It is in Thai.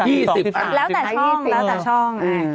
แล้วแต่ช่อง